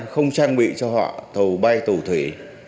không trang bị cho họ thầu bay tù thủy